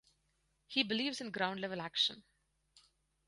He believes in ground level action.